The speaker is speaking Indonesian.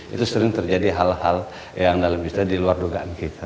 itu sering terjadi hal hal yang dalam istilah diluar dugaan kita